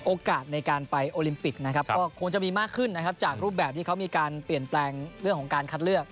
โอกาสในการไปโอลิมปิกนะครับก็คงจะมีมากขึ้นนะครับจากรูปแบบที่เขามีการเปลี่ยนแปลงเรื่องของการคัดเลือก